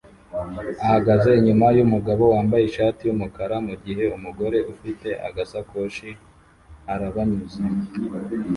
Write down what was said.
ahagaze inyuma yumugabo wambaye ishati yumukara mugihe umugore ufite agasakoshi arabanyuze